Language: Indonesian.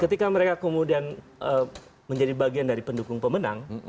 ketika mereka kemudian menjadi bagian dari pendukung pemenang